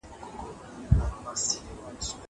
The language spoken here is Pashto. زه بايد لوښي وچوم.